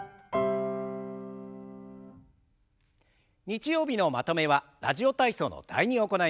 日曜日のまとめは「ラジオ体操」の「第２」を行います。